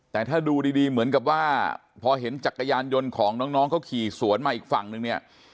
แต่ถ้าดูดีเหมือนกับว่าพอเห็นจักรยานยนต์ของน้องเขาขี่สวนมาอีกฝั่งนึงเนี่ย